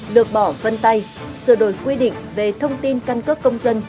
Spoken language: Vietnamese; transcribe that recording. được bỏ vân tay sửa đổi quy định về thông tin căn cước công dân